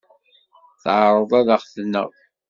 Teɛreḍ ad aɣ-tneɣ.